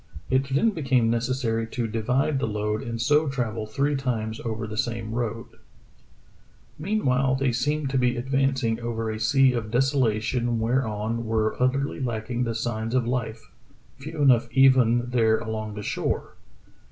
It then became nec essary to divide the load and so travel three times over the same road. Kane's Rescue of His Shipmates 97 Meanwhile they seemed to be advancing over a sea of desolation whereon were utterly lacking the signs of life — few enough even there along the shore.